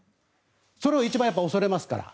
それを一番恐れますから。